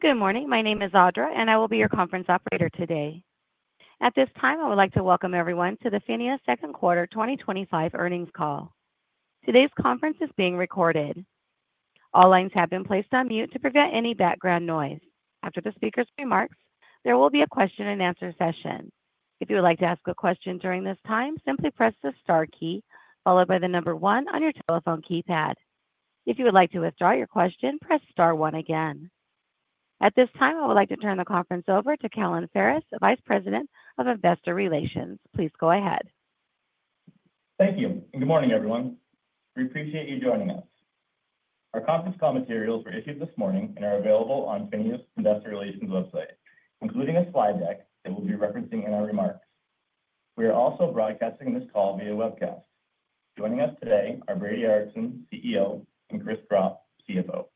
Good morning. My name is Audra, and I will be your conference operator today. At this time, I would like to welcome everyone to the Finia Second Quarter twenty twenty five Earnings Call. Today's conference is being recorded. All lines have been placed on mute to prevent any background noise. After the speakers' remarks, there will be a question and answer session. At this time, I would like to turn the conference over to Callon Ferris, Vice President of Investor Relations. Please go ahead. Thank you, and good morning, everyone. We appreciate you joining us. Our conference call materials were issued this morning and are available on Finian's Investor Relations website, including a slide deck that we'll be referencing in our remarks. We are also broadcasting this call via webcast. Joining us today are Brady Ardson, CEO and Chris Dropp, CFO.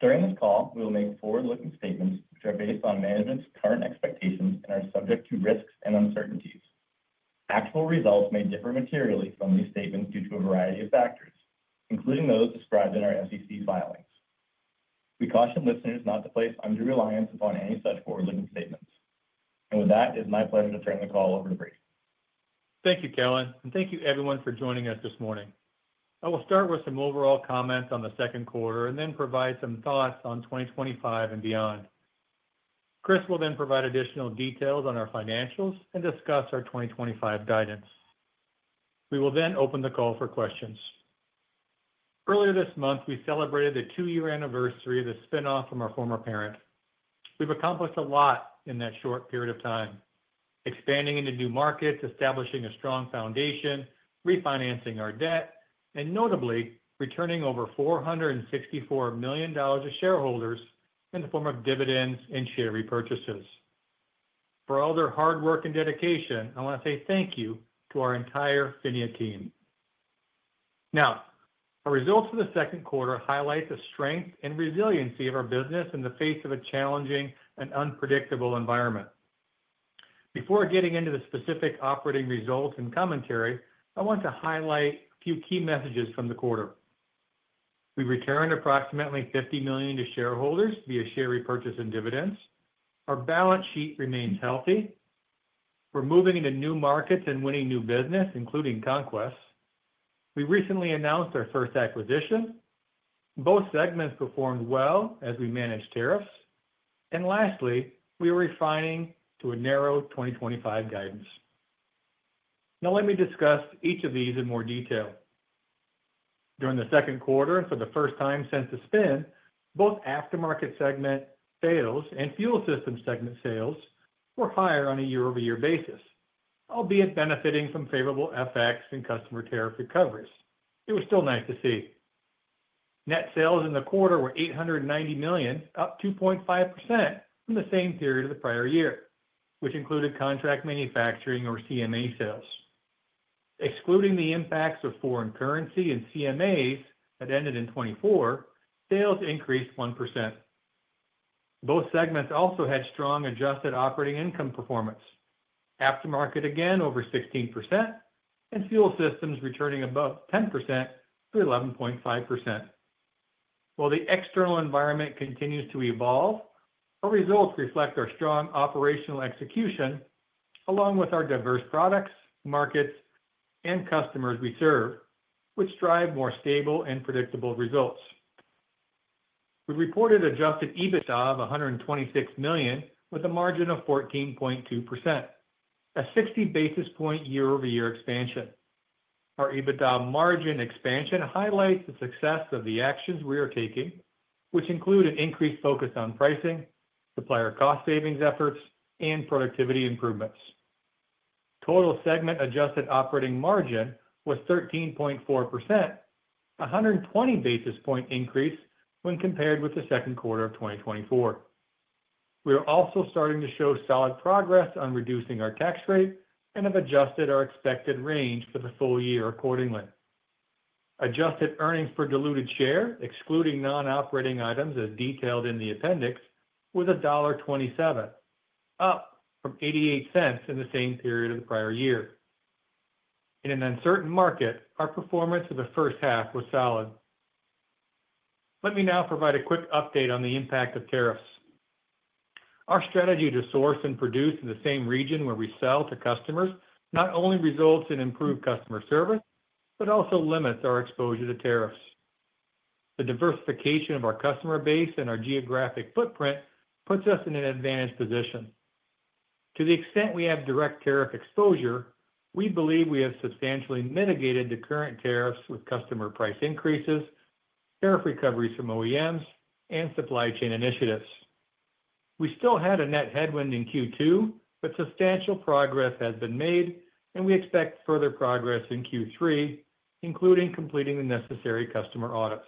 During this call, we will make forward looking statements, which are based on management's current expectations and are subject to risks and uncertainties. Actual results may differ materially from these statements due to a variety of factors, including those described in our SEC filings. We caution listeners not to place undue reliance upon any such forward looking statements. And with that, it's my pleasure to turn the call over to Brie. Thank you, Kellen, and thank you, everyone, for joining us this morning. I will start with some overall comments on the second quarter and then provide some thoughts on 2025 and beyond. Chris will then provide additional details on our financials and discuss our 2025 guidance. We will then open the call for questions. Earlier this month, we celebrated the two year anniversary of the spin off from our former parent. We've accomplished a lot in that short period of time, expanding into new markets, establishing a strong foundation, refinancing our debt and notably returning over $464,000,000 to shareholders in the form of dividends and share repurchases. For all their hard work and dedication, I want to say thank you to our entire Finia team. Now our results for the second quarter highlight the strength and resiliency of our business in the face of a challenging and unpredictable environment. Before getting into the specific operating results and commentary, I want to highlight a few key messages from the quarter. We returned approximately $50,000,000 to shareholders via share repurchase and dividends. Our balance sheet remains healthy. We're moving into new markets and winning new business, including Conquest. We recently announced our first acquisition. Both segments performed well as we managed tariffs. And lastly, we are refining to a narrow 2025 guidance. Now let me discuss each of these in more detail. During the second quarter and for the first time since the spin, both aftermarket segment sales and Fuel Systems segment sales were higher on a year over year basis, albeit benefiting from favorable FX and customer tariff recoveries. It was still nice to see. Net sales in the quarter were $890,000,000 up 2.5% from the same period of the prior year, which included contract manufacturing or CMA sales. Excluding the impacts of foreign currency and CMAs that ended in 2024, sales increased 1%. Both segments also had strong adjusted operating income performance, aftermarket again over 16% and fuel systems returning above 10% to 11.5%. While the external environment continues to evolve, our results reflect our strong operational execution along with our diverse products, markets and customers we serve, which drive more stable and predictable results. We reported adjusted EBITDA of $126,000,000 with a margin of 14.2%, a 60 basis point year over year expansion. Our EBITDA margin expansion highlights the success of the actions we are taking, which include an increased focus on pricing, supplier cost savings efforts and productivity improvements. Total segment adjusted operating margin was 13.4%, a 120 basis point increase when compared with the second quarter of twenty twenty four. We are also starting to show solid progress on reducing our tax rate and have adjusted our expected range for the full year accordingly. Adjusted earnings per diluted share excluding non operating items as detailed in the appendix was $1.27 up from $0.88 in the same period of the prior year. In an uncertain market, our performance in the first half was solid. Let me now provide a quick update on the impact of tariffs. Our strategy to source and produce in the same region where we sell to customers not only results in improved customer service, but also limits our exposure to tariffs. The diversification of our customer base and our geographic footprint puts us in an advantaged position. To the extent we have direct tariff exposure, we believe we have substantially mitigated the current tariffs with customer price increases, tariff recoveries from OEMs and supply chain initiatives. We still had a net headwind in Q2, but substantial progress has been made and we expect further progress in Q3, including completing the necessary customer audits.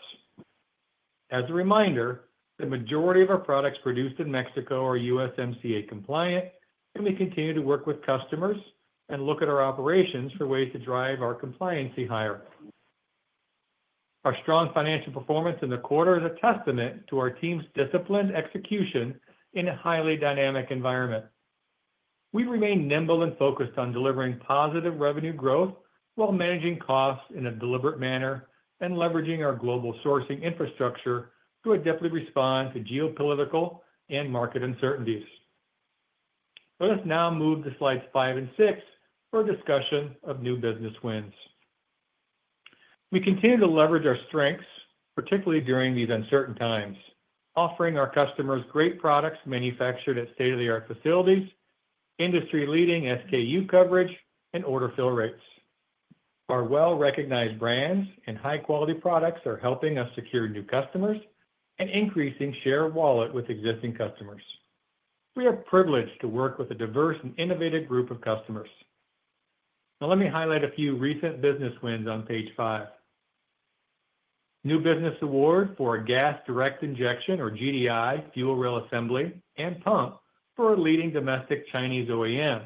As a reminder, the majority of our products produced in Mexico are USMCA compliant and we continue to work with customers and look at our operations for ways to drive our compliancy higher. Our strong financial performance in the quarter is a testament to our team's disciplined execution in a highly dynamic environment. We remain nimble and focused on delivering positive revenue growth while managing costs in a deliberate manner and leveraging our global sourcing infrastructure to adeptly respond to geopolitical and market uncertainties. Let us now move to Slides five and six for a discussion of new business wins. We continue to leverage our strengths, particularly during these uncertain times, offering our customers great products manufactured at state of the art facilities, industry leading SKU coverage and order fill rates. Our well recognized brands and high quality products are helping us secure new customers and increasing share of wallet with existing customers. We are privileged to work with a diverse and innovative group of customers. Now let me highlight a few recent business wins on Page five. New business award for our gas direct injection or GDI fuel rail assembly and pump for a leading domestic Chinese OEM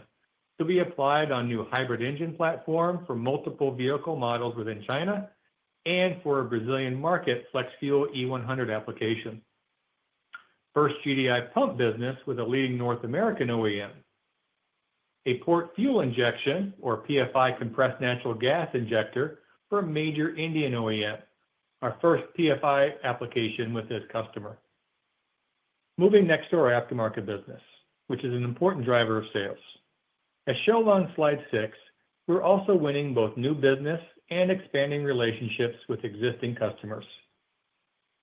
to be applied on new hybrid engine platform for multiple vehicle models within China and for a Brazilian market FlexFuel E100 application. First GDI pump business with a leading North American OEM a port fuel injection or PFI compressed natural gas injector for a major Indian OEM, our first PFI application with this customer. Moving next to our aftermarket business, which is an important driver of sales. As shown on slide six, we're also winning both new business and expanding relationships with existing customers.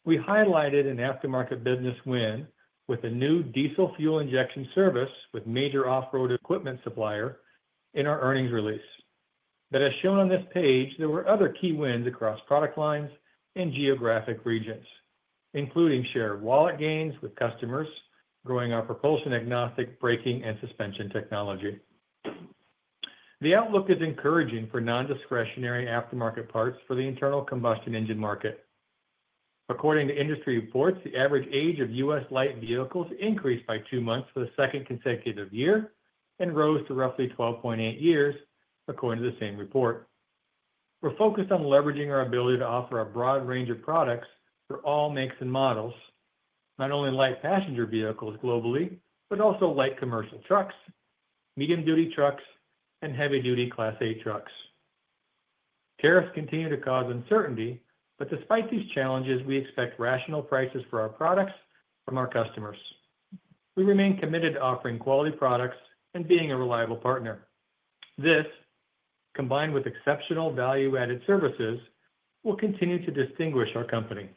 We highlighted an aftermarket business win with a new diesel fuel injection service with major off road equipment supplier in our earnings release. But as shown on this page, there were other key wins across product lines and geographic regions, including share of wallet gains with customers, growing our propulsion agnostic braking and suspension technology. The outlook is encouraging for nondiscretionary aftermarket parts for the internal combustion engine market. According to industry reports, the average age of U. S. Light vehicles increased by two months for the second consecutive year and rose to roughly twelve point eight years according to the same report. We're focused on leveraging our ability to offer a broad range of products for all makes and models, not only light passenger vehicles globally, but also light commercial trucks, medium duty trucks and heavy duty Class A trucks. Tariffs continue to cause uncertainty, but despite these challenges, we expect rational prices for our products from our customers. We remain committed to offering quality products and being a reliable partner. This, combined with exceptional value added services, will continue to distinguish our company.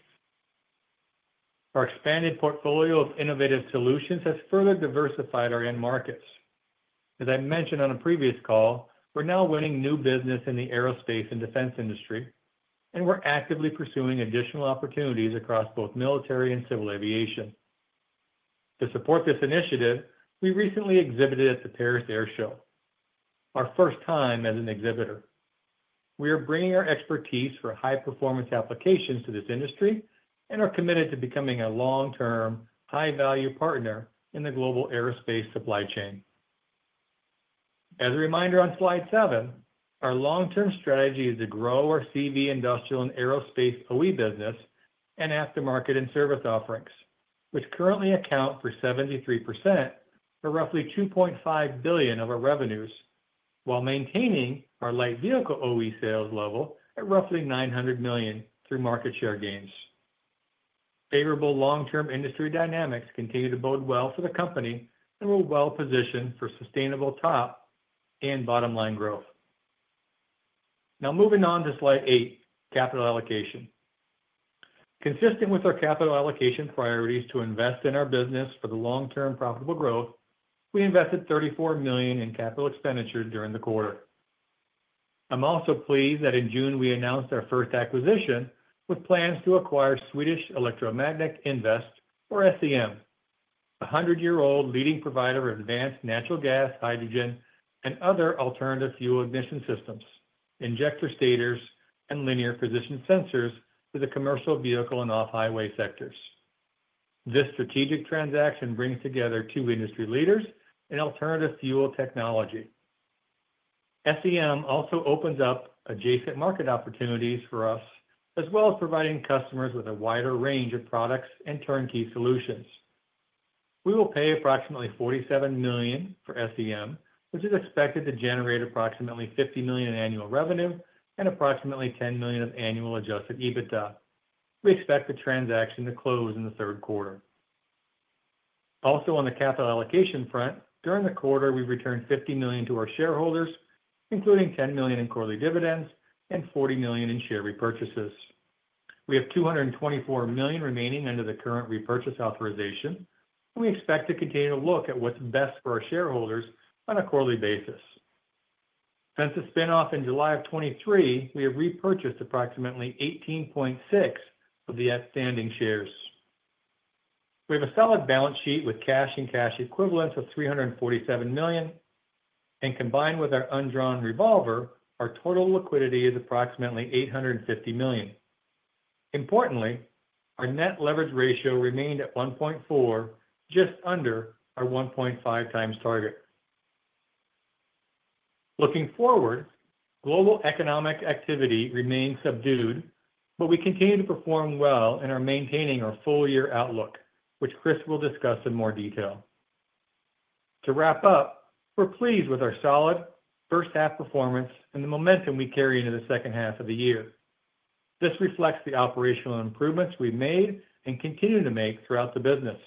Our expanded portfolio of innovative solutions has further diversified our end markets. As I mentioned on a previous call, we're now winning new business in the aerospace and defense industry, and we're actively pursuing additional opportunities across both military and civil aviation. To support this initiative, we recently exhibited at the Paris Air Show, our first time as an exhibitor. We are bringing our expertise for high performance applications to this industry and are committed to becoming a long term high value partner in the global aerospace supply chain. As a reminder on Slide seven, our long term strategy is to grow our CV industrial and aerospace OE business and aftermarket and service offerings, which currently account for 73% or roughly $2,500,000,000 of our revenues, while maintaining our light vehicle OE sales level at roughly $900,000,000 through market share gains. Favorable long term industry dynamics continue to bode well for the company and we're well positioned for sustainable top and bottom line growth. Now moving on to Slide eight, capital allocation. Consistent with our capital allocation priorities to invest in our business for the long term profitable growth, we invested $34,000,000 in capital expenditures during the quarter. I'm also pleased that in June we announced our first acquisition with plans to acquire Swedish Electromagnetic Invest or SEM, a 100 year old leading provider of advanced natural gas, hydrogen and other alternative fuel ignition systems, injector stators and linear position sensors for the commercial vehicle and off highway sectors. This strategic transaction brings together two industry leaders in alternative fuel technology. SEM also opens up adjacent market opportunities for us as well as providing customers with a wider range of products and turnkey solutions. We will pay approximately $47,000,000 for SEM, which is expected to generate approximately $50,000,000 in annual revenue and approximately $10,000,000 of annual adjusted EBITDA. We expect the transaction to close in the third quarter. Also on the capital allocation front, during the quarter, we returned $50,000,000 to our shareholders, including $10,000,000 in quarterly dividends and $40,000,000 in share repurchases. We have $224,000,000 remaining under the current repurchase authorization, and we expect to continue to look at what's best for our shareholders on a quarterly basis. Since the spin off in July, we have repurchased approximately 18.6 of the outstanding shares. We have a solid balance sheet with cash and cash equivalents of $347,000,000 and combined with our undrawn revolver, our total liquidity is approximately $850,000,000 Importantly, our net leverage ratio remained at 1.4, just under our 1.5 times target. Looking forward, global economic activity remains subdued, but we continue to perform well and are maintaining our full year outlook, which Chris will discuss in more detail. To wrap up, we're pleased with our solid first half performance and the momentum we carry into the second half of the year. This reflects the operational improvements we've made and continue to make throughout the business.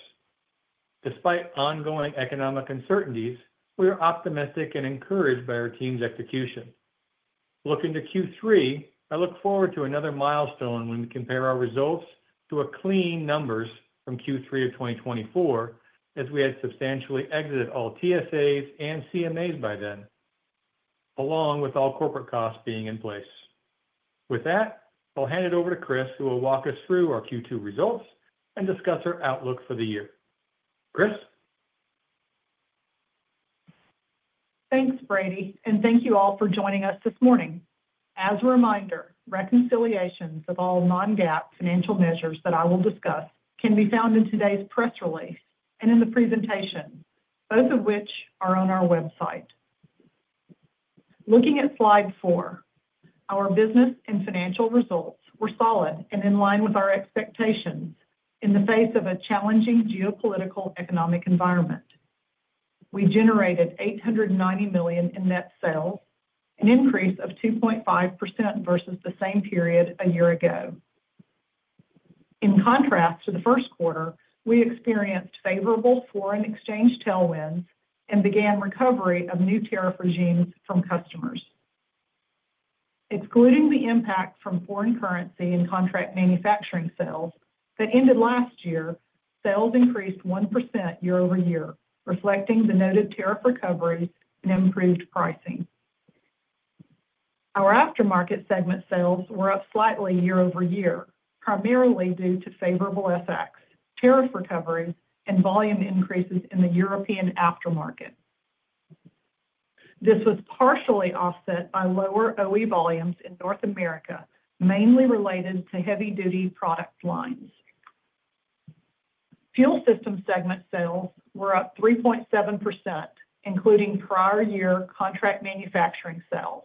Despite ongoing economic uncertainties, we are optimistic and encouraged by our team's execution. Looking to Q3, I look forward to another milestone when we compare our results to a clean numbers from 2024 as we had substantially exited all TSAs and CMAs by then, along with all corporate costs being in place. With that, I'll hand it over to Chris, who will walk us through our Q2 results and discuss our outlook for the year. Chris? Thanks, Brady, and thank you all for joining us this morning. As a reminder, reconciliations of all non GAAP financial measures that I will discuss can be found in today's press release and in the presentation, both of which are on our website. Looking at Slide four. Our business and financial results were solid and in line with our expectations in the face of a challenging geopolitical economic environment. We generated $890,000,000 in net sales, an increase of 2.5% versus the same period a year ago. In contrast to the first quarter, we experienced favorable foreign exchange tailwinds and began recovery of new tariff regimes from customers. Excluding the impact from foreign currency and contract manufacturing sales that ended last year, sales increased 1% year over year, reflecting the noted tariff recovery and improved pricing. Our aftermarket segment sales were up slightly year over year, primarily due to favorable FX, tariff recovery and volume increases in the European aftermarket. This was partially offset by lower OE volumes in North America, mainly related to heavy duty product lines. Fuel Systems segment sales were up 3.7%, including prior year contract manufacturing sales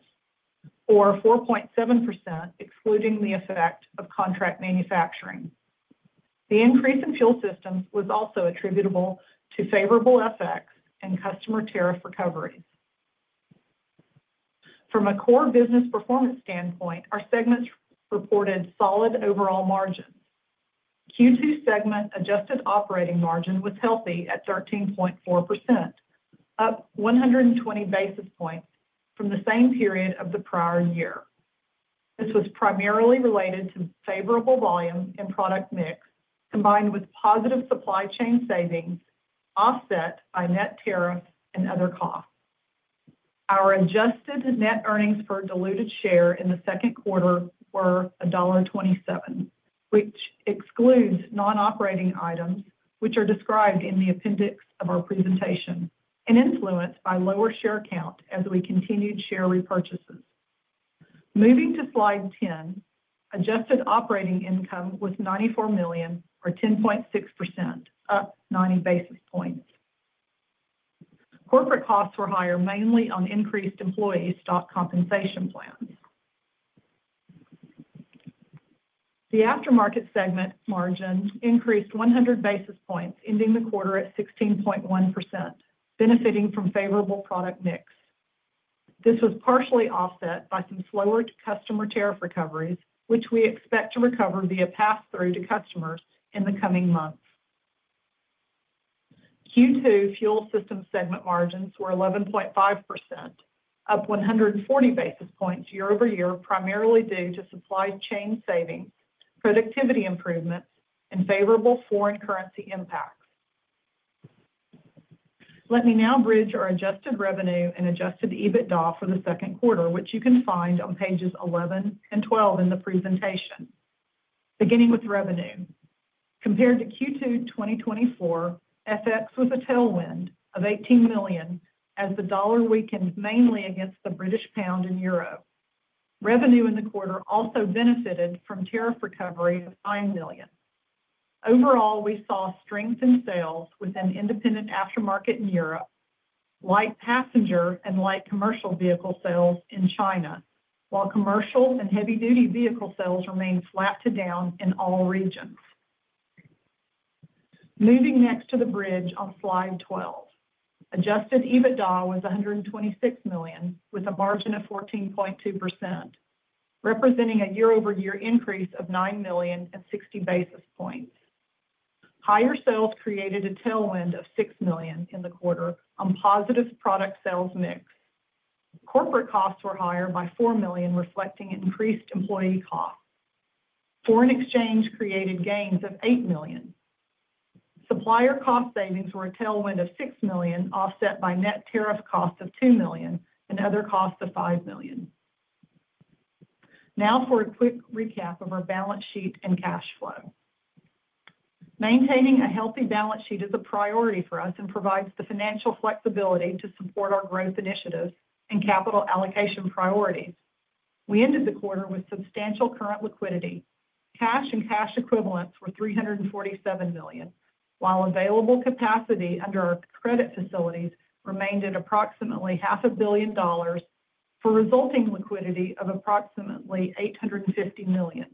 or 4.7% excluding the effect of contract manufacturing. The increase in Fuel Systems was also attributable to favorable FX and customer tariff recoveries. From a core business performance standpoint, our segments reported solid overall margins. Q2 segment adjusted operating margin was healthy at 13.4%, up 120 basis points from the same period of the prior year. This was primarily related to favorable volume and product mix combined with positive supply chain savings offset by net tariffs and other costs. Our adjusted net earnings per diluted share in the second quarter were 1.27 which excludes nonoperating items, which are described in the appendix of our presentation and influenced by lower share count as we continued share repurchases. Moving to Slide 10. Adjusted operating income was $94,000,000 or 10.6%, up 90 basis points. Corporate costs were higher mainly on increased employee stock compensation plans. The aftermarket segment margin increased 100 basis points ending the quarter at 16.1%, benefiting from favorable product mix. This was partially offset by some slower customer tariff recoveries, which we expect to recover via pass through to customers in the coming months. Q2 Fuel Systems segment margins were 11.5%, up 140 basis points year over year primarily due to supply chain savings, productivity improvements and favorable foreign currency impacts. Let me now bridge our adjusted revenue and adjusted EBITDA for the second quarter, which you can find on pages eleven and twelve in the presentation. Beginning with revenue. Compared to Q2 twenty twenty four, FX was a tailwind of $18,000,000 as the dollar weakened mainly against the British pound and euro. Revenue in the quarter also benefited from tariff recovery of 5,000,000 Overall, we saw strength in sales with an independent aftermarket in Europe, light passenger and light commercial vehicle sales in China, while commercial and heavy duty vehicle sales remained flat to down in all regions. Moving next to the bridge on slide 12. Adjusted EBITDA was $126,000,000 with a margin of 14.2%, representing a year over year increase of $9,000,000 and 60 basis points. Higher sales created a tailwind of $6,000,000 in the quarter on positive product sales mix. Corporate costs were higher by $4,000,000 reflecting increased employee costs. Foreign exchange created gains of 8,000,000 Supplier cost savings were a tailwind of $6,000,000 offset by net tariff cost of $2,000,000 and other cost of $5,000,000 Now for a quick recap of our balance sheet and cash flow. Maintaining a healthy balance sheet is a priority for us and provides the financial flexibility to support our growth initiatives and capital allocation priorities. We ended the quarter with substantial current liquidity. Cash and cash equivalents were $347,000,000 while available capacity under our credit facilities remained at approximately $500,000,000 for resulting liquidity of approximately $850,000,000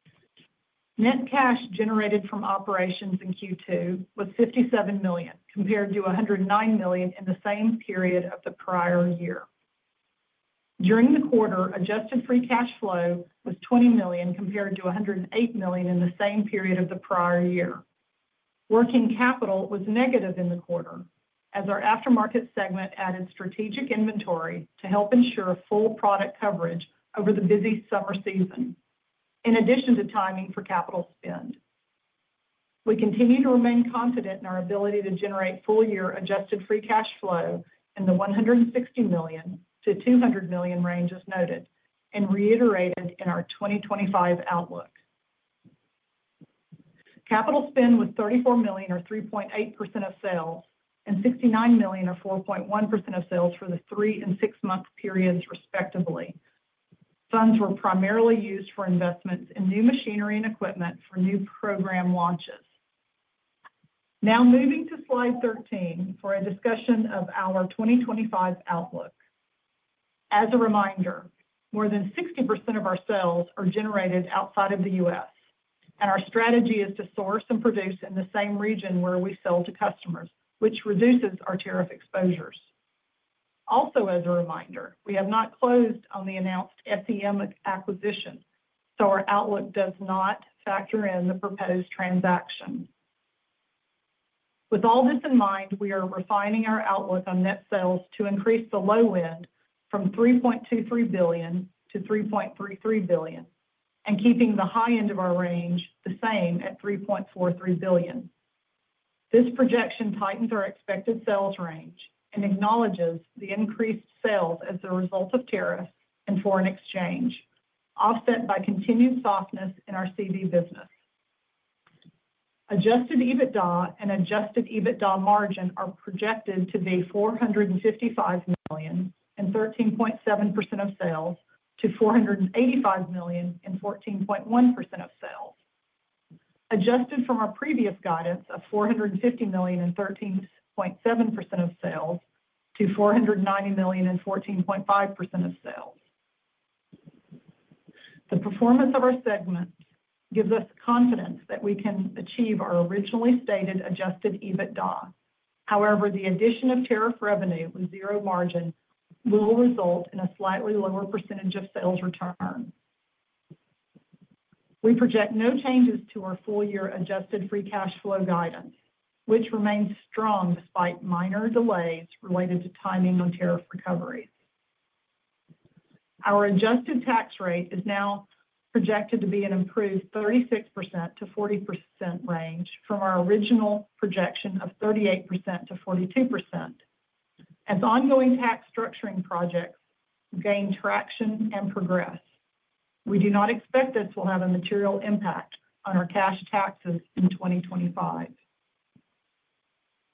Net cash generated from operations in Q2 was $57,000,000 compared to $109,000,000 in the same period of the prior year. During the quarter, adjusted free cash flow was $20,000,000 compared to $108,000,000 in the same period of the prior year. Working capital was negative in the quarter as our aftermarket segment added strategic inventory to help ensure full product coverage over the busy summer season in addition to timing for capital spend. We continue to remain confident in our ability to generate full year adjusted free cash flow in the $160,000,000 to $200,000,000 range as noted and reiterated in our 2025 outlook. Capital spend was $34,000,000 or 3.8% of sales and $69,000,000 or 4.1% of sales for the three and six month periods, respectively. Funds were primarily used for investments in new machinery and equipment for new program launches. Now moving to Slide 13 for a discussion of our 2025 outlook. As a reminder, more than 60% of our sales are generated outside of The U. S, and our strategy is to source and produce in the same region where we sell to customers, which reduces our tariff exposures. Also as a reminder, we have not closed on the announced SEM acquisition, so our outlook does not factor in the proposed transaction. With all this in mind, we are refining our outlook on net sales to increase the low end from $3,230,000,000 to $3,330,000,000 and keeping the high end of our range the same at $3,430,000,000 This projection tightens our expected sales range and acknowledges the increased sales as a result of tariffs and foreign exchange, offset by continued softness in our CV business. Adjusted EBITDA and adjusted EBITDA margin are projected to be $455,000,000 and 13.7% of sales to $485,000,000 and 14.1% of sales. Adjusted from our previous guidance of $450,000,000 and 13.7% of sales to $490,000,000 and 14.5% of sales. The performance of our segment gives us confidence that we can achieve our originally stated adjusted EBITDA. However, the addition of tariff revenue with zero margin will result in a slightly lower percentage of sales return. We project no changes to our full year adjusted free cash flow guidance, which remains strong despite minor delays related to timing on tariff recovery. Our adjusted tax rate is now projected to be an improved 36% to 40% range from our original projection of 38% to 42% as ongoing tax structuring projects gain traction and progress. We do not expect this will have a material impact on our cash taxes in 2025.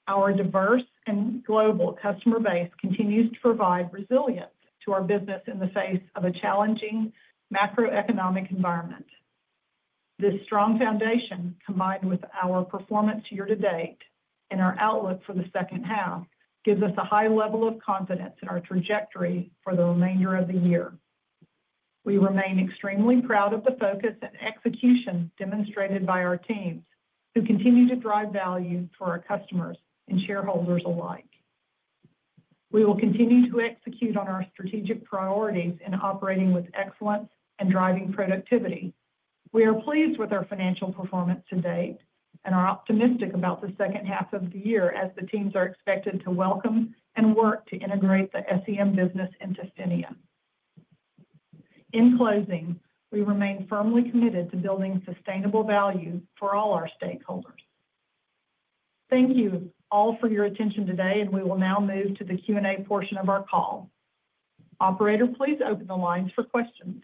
Our diverse and global customer base continues to provide resilience to our business in the face of a challenging macroeconomic environment. This strong foundation, combined with our performance year to date and our outlook for the second half, gives us a high level of confidence in our trajectory for the remainder of the year. We remain extremely proud of the focus and execution demonstrated by our teams who continue to drive value for our customers and shareholders alike. We will continue to execute on our strategic priorities in operating with excellence and driving productivity. We are pleased with our financial performance to date and are optimistic about the second half of the year as the teams are expected to welcome and work to integrate the SEM business into Finia. In closing, we remain firmly committed to building sustainable value for all our stakeholders. Thank you all for your attention today, and we will now move to the Q and A portion of our call. Operator, please open the lines for questions.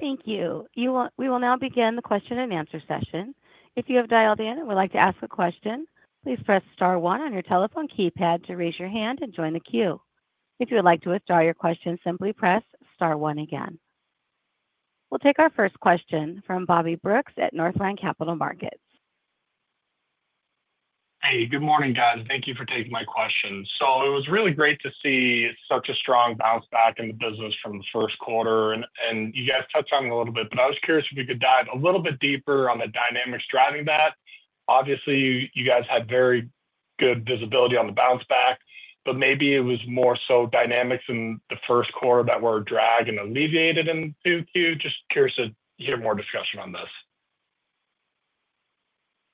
Thank you. We will now begin the question and answer session. We'll take our first question from Bobby Brooks at Northland Capital Markets. Hey, good morning, guys. Thank you for taking my questions. So it was really great to see such a strong bounce back in the business from the first quarter. And you guys touched on it a little bit, but I was curious if you could dive a little bit deeper on the dynamics driving that. Obviously, you guys had very good visibility on the bounce back, but maybe it was more so dynamics in the first quarter that were dragged and alleviated in 2Q. Just curious to hear more discussion on this.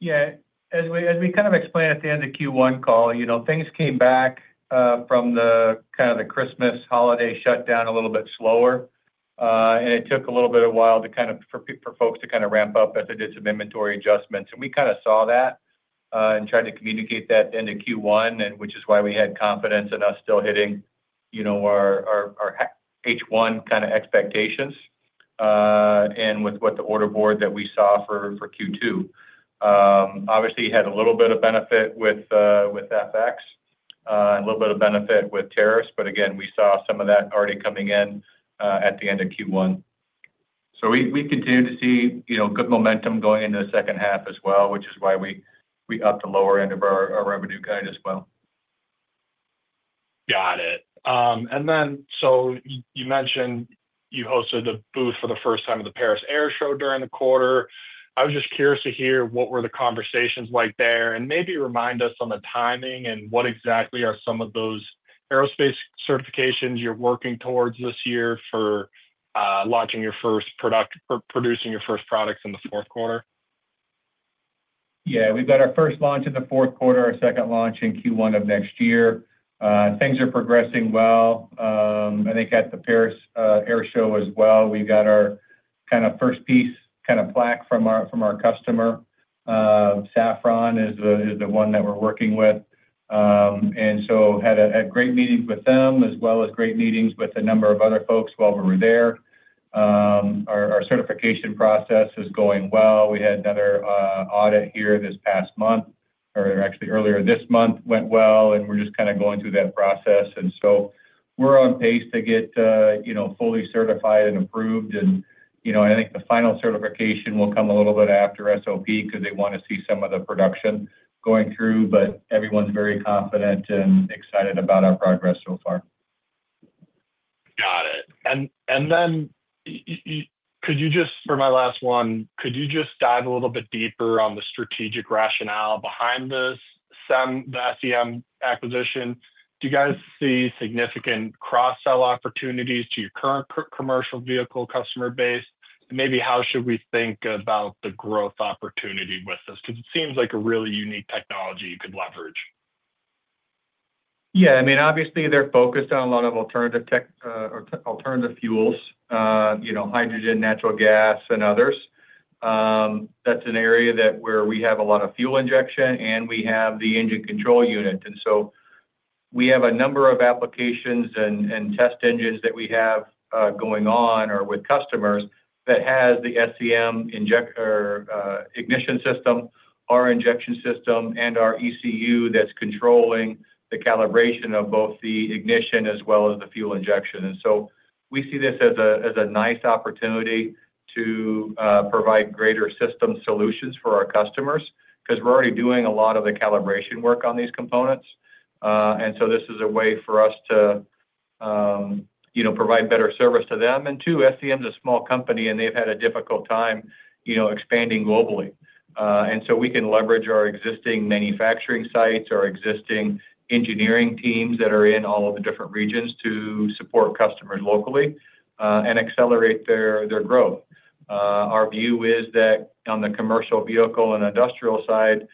Yes. As we kind of explained at the end of Q1 call, things came back from the kind of the Christmas holiday shutdown a little bit slower. And it took a little bit of a while to kind of for folks to kind of ramp up as they did some inventory adjustments. And we kind of saw that and tried to communicate that into Q1, which is why we had confidence in us still hitting H1 kind of expectations and with what the order board that we saw for Q2. Obviously, it had a little bit of benefit with FX and a little bit of benefit with tariffs. But again, we saw some of that already coming in at the end of Q1. So we continue to see good momentum going into the second half as well, which is why we upped the lower end of our revenue guide as well. Got it. And then so you mentioned you hosted a booth for the first time at the Paris Air Show during the quarter. I was just curious to hear what were the conversations like there. And maybe remind us on the timing and what exactly are some of those aerospace certifications you're working towards this year for launching your first product producing your first products in the fourth quarter? Yes. We've got our first launch in the fourth quarter, our second launch in Q1 of next year. Things are progressing well. I think at the Paris Air Show as well, we got our kind of first piece kind of plaque from customer. Safran is the one that we're working with. And so had great meetings with them as well as great meetings with a number of other folks while we were there. Our our certification process is going well. We had another audit here this past month or actually, earlier this month went well, and we're just kinda going through that process. And so we're on pace to get fully certified and approved. And I think the final certification will come a little bit after SOP because they want to see some of the production going through, but everyone's very confident and excited about our progress so far. Got it. Then could you just for my last one, could you just dive a little bit deeper on the strategic rationale behind this SEM acquisition? Do you guys see significant cross sell opportunities to your current commercial vehicle customer base? And maybe how should we think about the growth opportunity with this? Because it seems like a really unique technology you could leverage. Yes. I mean, obviously, they're focused on a lot of alternative fuels, hydrogen, natural gas and others. That's an area that where we have a lot of fuel injection, and we have the engine control unit. And so we have a number of applications and test engines that we have going on or with customers that has the SEM ignition system, our injection system, and our ECU that's controlling the calibration of both the ignition as well as the fuel injection. And so we see this as a nice opportunity to provide greater system solutions for our customers because we're already doing a lot of the calibration work on these components. And so this is a way for us to provide better service to them. And two, SEM is a small company, and they've had a difficult time expanding globally. And so we can leverage our existing manufacturing sites, our existing engineering teams that are in all of the different regions to support customers locally and accelerate their growth. Our view is that on the commercial vehicle and industrial side,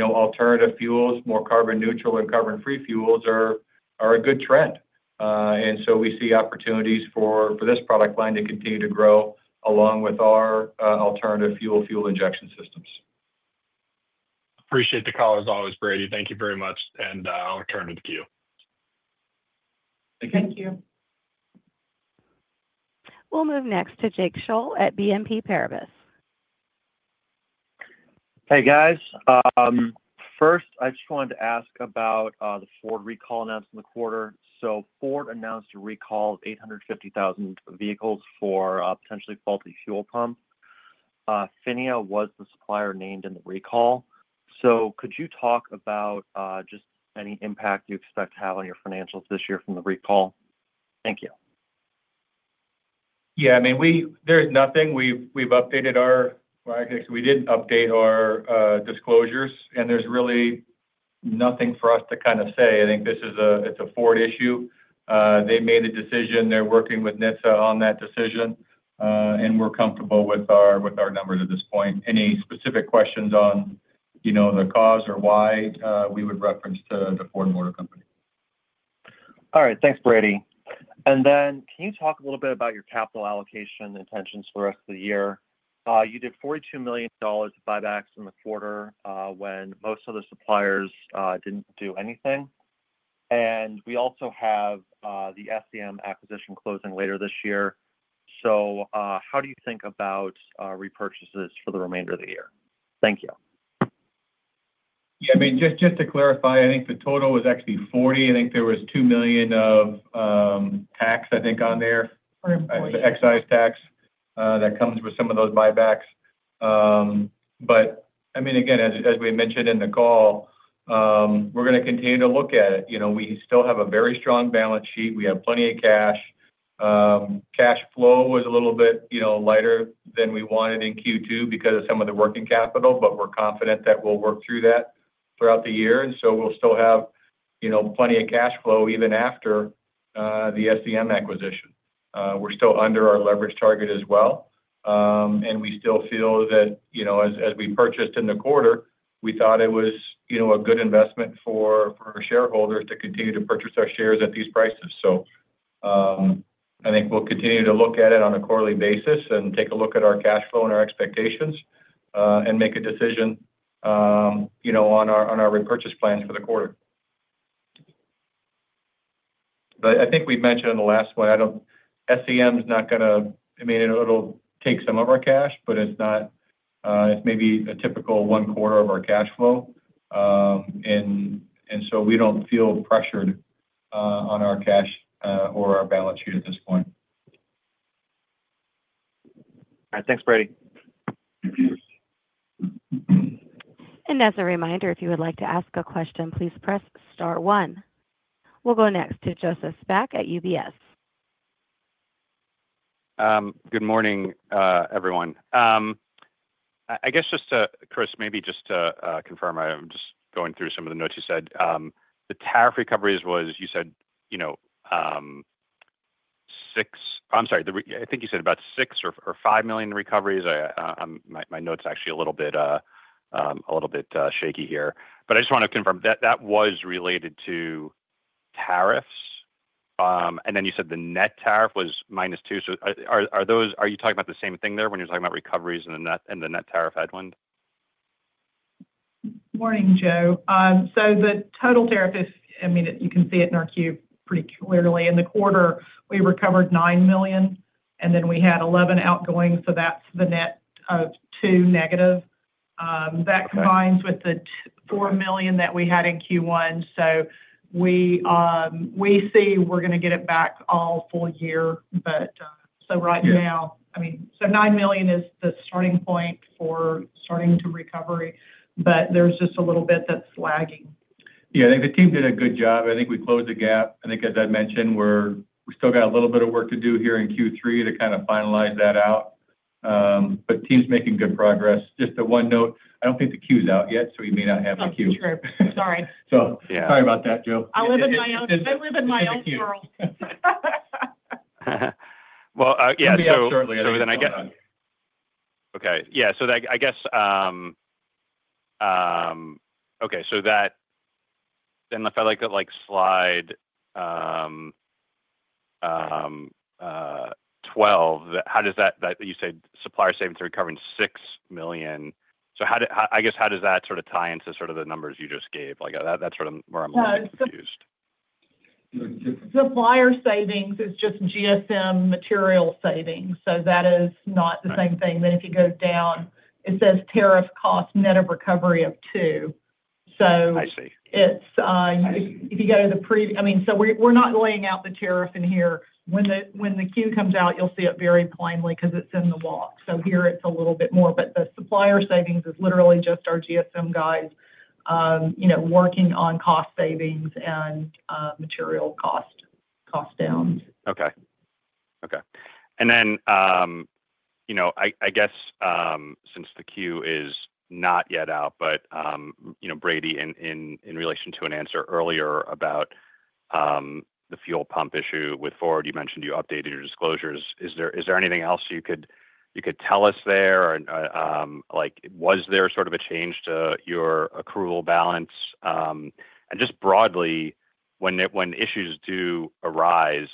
alternative fuels, more carbon neutral and carbon free fuels, are a good trend. And so we see opportunities for this product line to continue to grow along with our alternative fuel injection systems. Appreciate the color as always, Brady. Thank you very much, and I'll return to the queue. Thank you. Thank you. We'll move next to Jake Scholl at BNP Paribas. Hey, guys. First, I just wanted to ask about the Ford recall announced in the quarter. So Ford announced a recall of 850,000 vehicles for a potentially faulty fuel pump. Finia was the supplier named in the recall. So could you talk about just any impact you expect to have on your financials this year from the recall? Yes. I mean, we there's nothing. We've updated our well, I guess, we didn't update our disclosures, and there's really nothing for us to kind of say. I think this is a it's a Ford issue. They made a decision. They're working with NHTSA on that decision, and we're comfortable with our numbers at this point. Any specific questions on the cause or why, we would reference to the Ford Motor Company. All right. Thanks, Brady. And then can you talk a little bit about your capital allocation intentions for rest of the year? You did $42,000,000 of buybacks in the quarter when most of the suppliers didn't do anything. And we also have the SEM acquisition closing later this year. So how do you think about repurchases for the remainder of the year? Just to clarify, I think the total was actually 40,000,000 I think there was $2,000,000 of tax, I think, on there, the excise tax that comes with some of those buybacks. Again, as we mentioned in the call, we're going to continue to look at it. We still have a very strong balance sheet. We have plenty of cash. Cash flow was a little bit lighter than we wanted in Q2 because of some of the working capital, but we're confident that we'll work through that throughout the year. And so we'll still have plenty of cash flow even after the SEM acquisition. We're still under our leverage target as well. And we still feel that as we purchased in the quarter, we thought it was a good investment for our shareholders to continue to purchase our shares at these prices. So I think we'll continue to look at it on a quarterly basis and take a look at our cash flow and our expectations and make a decision on our repurchase plans for the quarter. But I think we've mentioned in the last one, SEM is not going to I mean, it'll some of our cash, but it's not it's maybe a typical one quarter of our cash flow. And so we don't feel pressured on our cash or our balance sheet at this point. All right. Thanks, Brady. We'll go next to Joseph Spak at UBS. Good morning, everyone. I guess just to Chris, maybe just to confirm, I'm just going through some of the notes you said. The tariff recoveries was you said 6 I'm sorry, I think you said about 6,000,000 or $5,000,000 recoveries. My notes are actually a little bit shaky here. But I just want to confirm, that was related to tariffs? And then you said the net tariff was minus 2,000,000 So are those are you talking about the same thing there when you're talking about recoveries and the net tariff headwind? Joe, so the total tariff is I mean, you can see it in our Q pretty clearly. In the quarter, we recovered $9,000,000 and then we had 11,000,000 outgoing, so that's the net of 2,000,000 negative. Combines with the $4,000,000 that we had in Q1. So we see we're going to get it back all full year. But so right now I mean so $9,000,000 is the starting point for starting to recovery, but there's just a little bit that's lagging. Yes. Think the team did a good job. I think we closed the gap. I think as I mentioned, we're we still got a little bit of work to do here in Q3 to kind of finalize that out. But team is making good progress. Just a one note, I don't think the queue is out yet, so we may not have the Sorry. Sorry about that, Joe. I in my own world. Well yeah. So so then I get okay. Yeah. So that I guess okay. So that then if I, got, like, slide 12, how does that that you said supplier savings are recovering $6,000,000 So how do I guess how does that sort of tie into sort of the numbers you just gave? Like, that's sort of where I'm little bit confused. Supplier savings is just GSM material savings. So that is not the same thing. Then if you go down, it says tariff cost net of recovery of two. So it's see. If you go to the I mean, so we're not laying out the tariff in here. When the Q comes out, you'll see it very plainly because it's in the walk. So here, it's a little bit more. But the supplier savings is literally just our GSM guys working on cost savings and material cost downs. Okay. Okay. And then I guess since the queue is not yet out, but Brady, in relation to an answer earlier about the fuel pump issue with Ford, mentioned you updated your disclosures. Is there anything else you could tell us there? Like was there sort of a change to your accrual balance? And just broadly, when issues do arise,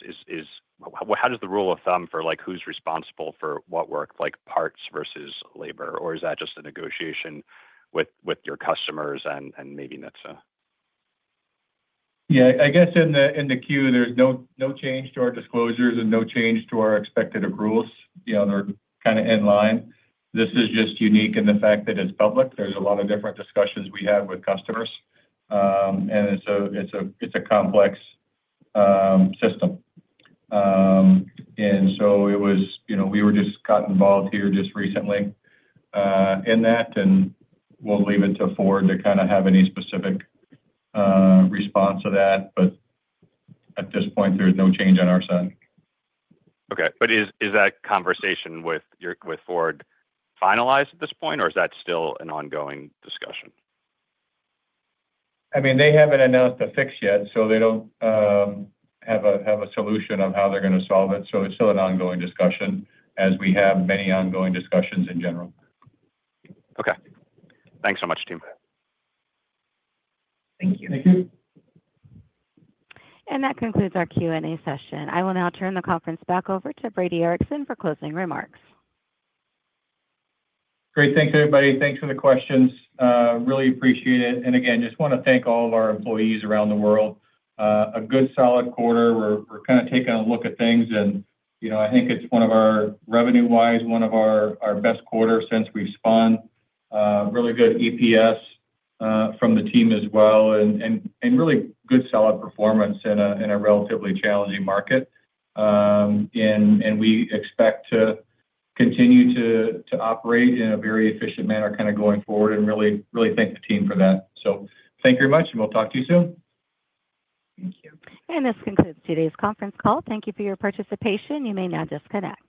how does the rule of thumb for who's for what work, like parts versus labor? Or is that just a negotiation with your customers and maybe NetSol? Yes. I guess in the Q, there's no change to our disclosures and no change to our expected accruals. They're kind of in line. This is just unique in the fact that it's public. There's a lot of different discussions we have with customers, and it's a complex system. And so it was we were just caught involved here just recently in that, and we'll leave it to Ford to kind of have any specific response to that. But at this point, there is no change on our side. Okay. But is is that conversation with your with Ford finalized at this point? Or is that still an ongoing discussion? I mean, they haven't announced the fix yet, so they don't have a solution of how they're going to solve it. So it's still an ongoing discussion as we have many ongoing discussions in general. Okay. Thanks so much, team. Thank you. Thank you. And that concludes our Q and A session. I will now turn the conference back over to Brady Erickson for closing remarks. Great. Thanks, everybody. Thanks for the questions. Really appreciate it. And again, just want to thank all of our employees around the world. A good solid quarter. We're kind of taking a look at things. And I think it's one of our revenue wise, one of our best quarters since we spun really good EPS from the team as well and really good solid performance in a relatively challenging market. And we expect to continue to operate in a very efficient manner kind of going forward and really thank the team for that. So thank you very much, and we'll talk to you soon. Thank you. And this concludes today's conference call. Thank you for your participation. You may now disconnect.